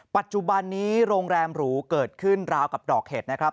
ปัจจุบันนี้โรงแรมหรูเกิดขึ้นราวกับดอกเห็ดนะครับ